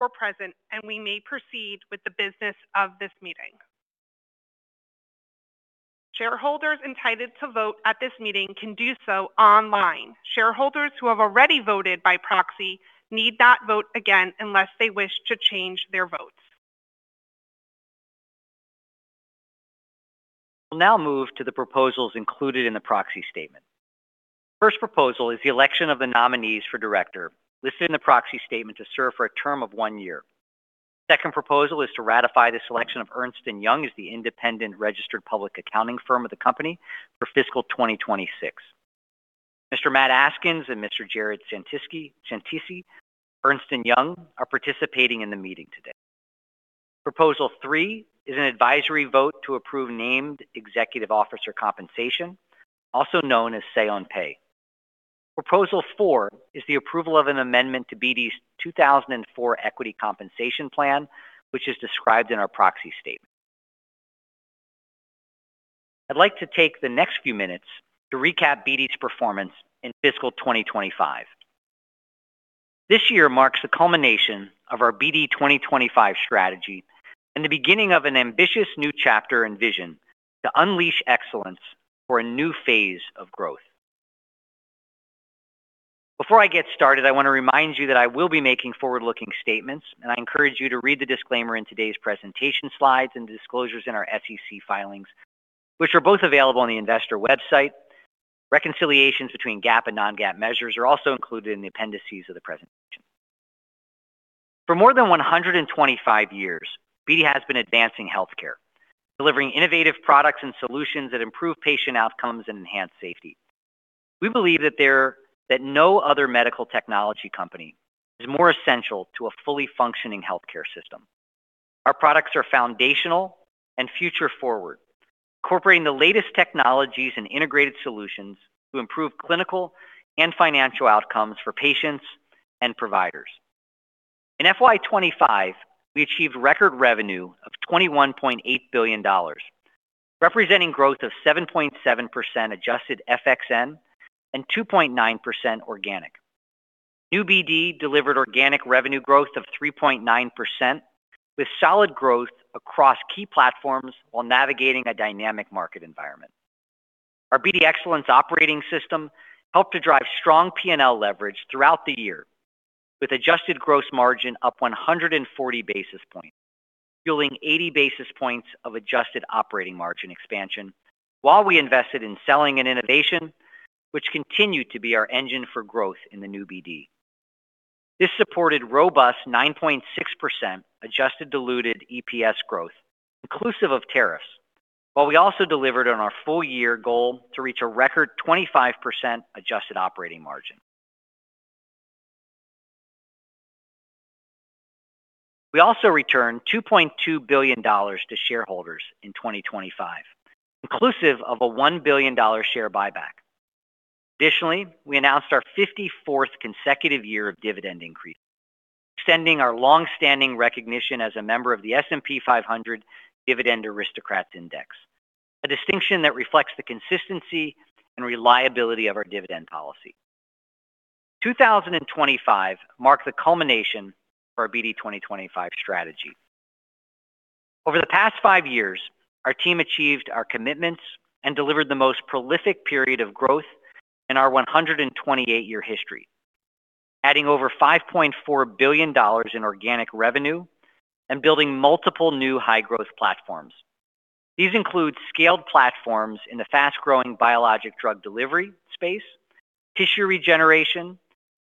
were present, and we may proceed with the business of this meeting. Shareholders entitled to vote at this meeting can do so online. Shareholders who have already voted by proxy need not vote again unless they wish to change their votes. We'll now move to the proposals included in the proxy statement. First proposal is the election of the nominees for director, listed in the proxy statement to serve for a term of one year. Second proposal is to ratify the selection of Ernst & Young as the independent registered public accounting firm of the company for fiscal 2026. Mr. Matt Askins and Mr. Jared Santisi, Ernst & Young, are participating in the meeting today. Proposal three is an advisory vote to approve named executive officer compensation, also known as Say on Pay. Proposal four is the approval of an amendment to BD's 2004 Equity Compensation Plan, which is described in our proxy statement. I'd like to take the next few minutes to recap BD's performance in fiscal 2025. This year marks the culmination of our BD 2025 strategy and the beginning of an ambitious new chapter and vision to unleash excellence for a new phase of growth. Before I get started, I want to remind you that I will be making forward-looking statements, and I encourage you to read the disclaimer in today's presentation slides and disclosures in our SEC filings, which are both available on the investor website. Reconciliations between GAAP and non-GAAP measures are also included in the appendices of the presentation. For more than 125 years, BD has been advancing healthcare, delivering innovative products and solutions that improve patient outcomes and enhance safety. We believe that no other medical technology company is more essential to a fully functioning healthcare system. Our products are foundational and future-forward, incorporating the latest technologies and integrated solutions to improve clinical and financial outcomes for patients and providers. In FY 2025, we achieved record revenue of $21.8 billion, representing growth of 7.7% adjusted FXN and 2.9% organic. New BD delivered organic revenue growth of 3.9%, with solid growth across key platforms while navigating a dynamic market environment. Our BD Excellence operating system helped to drive strong P&L leverage throughout the year, with adjusted gross margin up 140 basis points, fueling 80 basis points of adjusted operating margin expansion while we invested in selling and innovation, which continued to be our engine for growth in the new BD. This supported robust 9.6% adjusted diluted EPS growth, inclusive of tariffs, while we also delivered on our full-year goal to reach a record 25% adjusted operating margin. We also returned $2.2 billion to shareholders in 2025, inclusive of a $1 billion share buyback. Additionally, we announced our 54th consecutive year of dividend increases, extending our long-standing recognition as a member of the S&P 500 Dividend Aristocrats Index, a distinction that reflects the consistency and reliability of our dividend policy. 2025 marked the culmination of our BD 2025 strategy. Over the past 5 years, our team achieved our commitments and delivered the most prolific period of growth in our 128-year history, adding over $5.4 billion in organic revenue and building multiple new high-growth platforms. These include scaled platforms in the fast-growing biologic drug delivery space, tissue regeneration,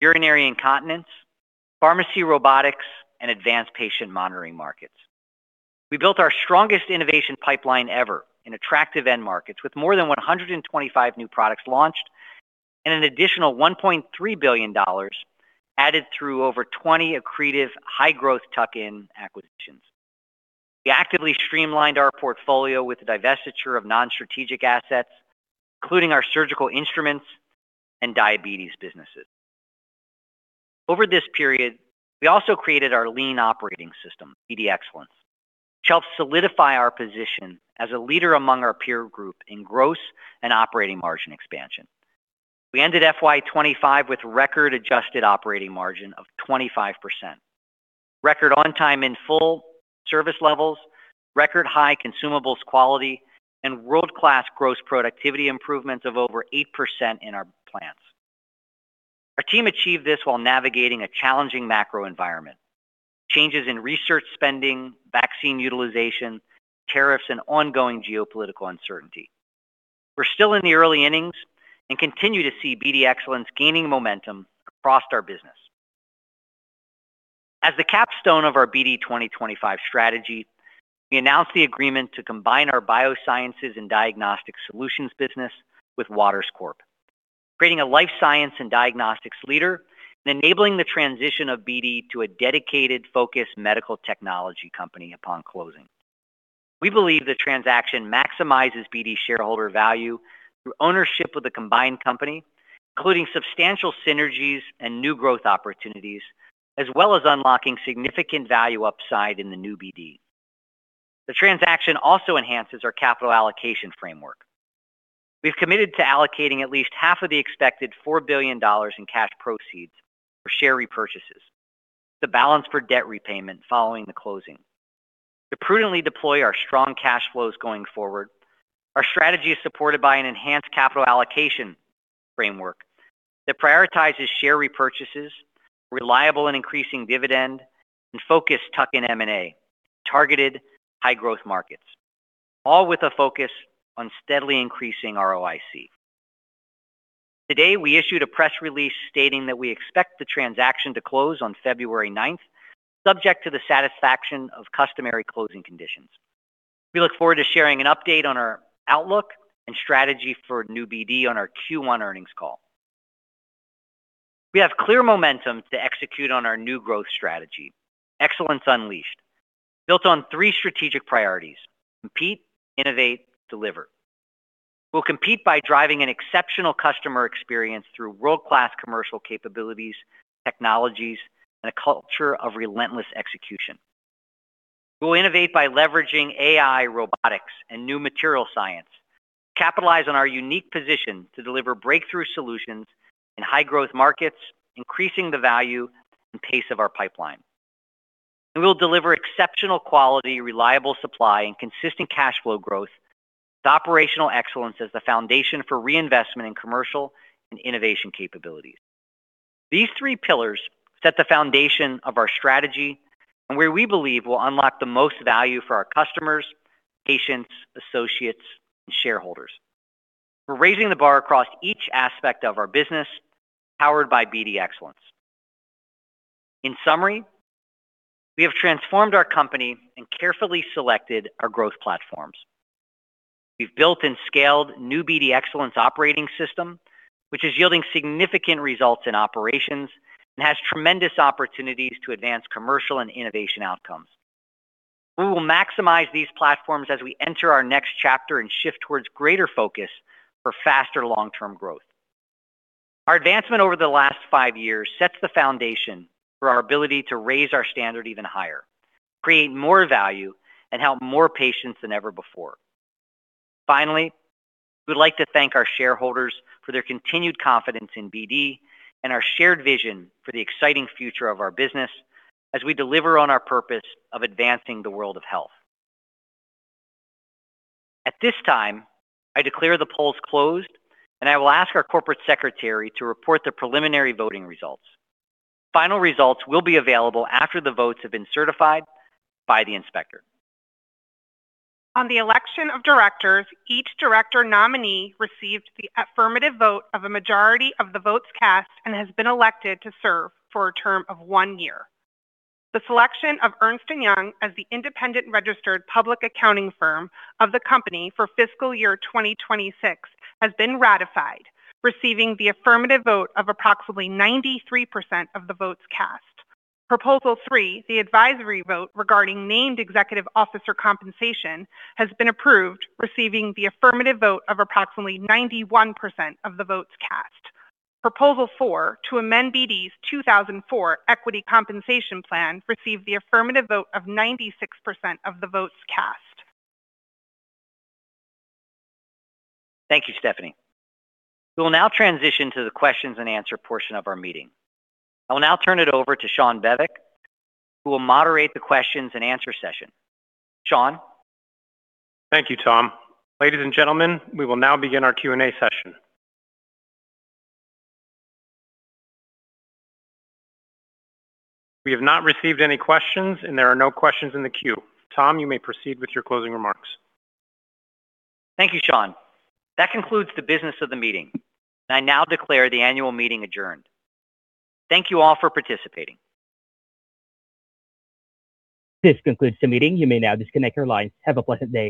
urinary incontinence, pharmacy robotics, and advanced patient monitoring markets. We built our strongest innovation pipeline ever in attractive end markets, with more than 125 new products launched and an additional $1.3 billion added through over 20 accretive high-growth tuck-in acquisitions. We actively streamlined our portfolio with the divestiture of non-strategic assets, including our surgical instruments and diabetes businesses. Over this period, we also created our lean operating system, BD Excellence, which helped solidify our position as a leader among our peer group in gross and operating margin expansion. We ended FY 2025 with record adjusted operating margin of 25%, record on time in full service levels, record high consumables quality, and world-class gross productivity improvements of over 8% in our plants. Our team achieved this while navigating a challenging macro environment, changes in research spending, vaccine utilization, tariffs, and ongoing geopolitical uncertainty. We're still in the early innings and continue to see BD Excellence gaining momentum across our business. As the capstone of our BD 2025 strategy, we announced the agreement to combine our Biosciences and Diagnostic Solutions business with Waters Corp, creating a life science and diagnostics leader and enabling the transition of BD to a dedicated, focused medical technology company upon closing. We believe the transaction maximizes BD shareholder value through ownership of the combined company, including substantial synergies and new growth opportunities, as well as unlocking significant value upside in the new BD. The transaction also enhances our capital allocation framework. We've committed to allocating at least half of the expected $4 billion in cash proceeds for share repurchases, the balance for debt repayment following the closing. To prudently deploy our strong cash flows going forward, our strategy is supported by an enhanced capital allocation framework that prioritizes share repurchases, reliable and increasing dividend, and focused tuck-in M&A, targeted high-growth markets, all with a focus on steadily increasing our ROIC. Today, we issued a press release stating that we expect the transaction to close on February ninth, subject to the satisfaction of customary closing conditions. We look forward to sharing an update on our outlook and strategy for new BD on our Q1 earnings call. We have clear momentum to execute on our new growth strategy, Excellence Unleashed, built on three strategic priorities: compete, innovate, deliver. We'll compete by driving an exceptional customer experience through world-class commercial capabilities, technologies, and a culture of relentless execution. We'll innovate by leveraging AI, robotics, and new material science, capitalize on our unique position to deliver breakthrough solutions in high-growth markets, increasing the value and pace of our pipeline. And we'll deliver exceptional quality, reliable supply, and consistent cash flow growth with operational excellence as the foundation for reinvestment in commercial and innovation capabilities. These three pillars set the foundation of our strategy and where we believe will unlock the most value for our customers, patients, associates, and shareholders. We're raising the bar across each aspect of our business, powered by BD Excellence. In summary, we have transformed our company and carefully selected our growth platforms. We've built and scaled new BD Excellence operating system, which is yielding significant results in operations and has tremendous opportunities to advance commercial and innovation outcomes. We will maximize these platforms as we enter our next chapter and shift towards greater focus for faster long-term growth. Our advancement over the last five years sets the foundation for our ability to raise our standard even higher, create more value, and help more patients than ever before. Finally, we'd like to thank our shareholders for their continued confidence in BD and our shared vision for the exciting future of our business as we deliver on our purpose of advancing the world of health. At this time, I declare the polls closed, and I will ask our corporate secretary to report the preliminary voting results. Final results will be available after the votes have been certified by the inspector. On the election of directors, each director nominee received the affirmative vote of a majority of the votes cast and has been elected to serve for a term of one year. The selection of Ernst & Young as the independent registered public accounting firm of the company for fiscal year 2026 has been ratified, receiving the affirmative vote of approximately 93% of the votes cast. Proposal three, the advisory vote regarding named executive officer compensation, has been approved, receiving the affirmative vote of approximately 91% of the votes cast. Proposal four, to amend BD's 2004 Equity Compensation Plan, received the affirmative vote of 96% of the votes cast. Thank you, Stephanie. We will now transition to the questions and answer portion of our meeting. I will now turn it over to Shawn Bevec, who will moderate the questions and answer session. Shawn? Thank you, Tom. Ladies and gentlemen, we will now begin our Q&A session. We have not received any questions, and there are no questions in the queue. Tom, you may proceed with your closing remarks. Thank you, Shawn. That concludes the business of the meeting. I now declare the annual meeting adjourned. Thank you all for participating. This concludes the meeting. You may now disconnect your lines. Have a pleasant day.